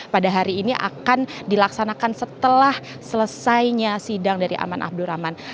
pada hari ini akan dilaksanakan setelah selesainya sidang dari aman abdurrahman